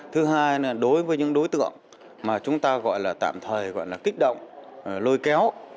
thứ hai là đối với những đối tượng mà chúng ta gọi là tạm thời gọi là kích động lôi kéo